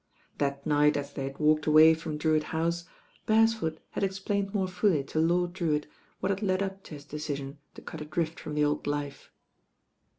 That night as they had walked away from Drewitt House, Beresford had explained more fully to Lord Drewitt what had led up to his decision to art adrift from the old life.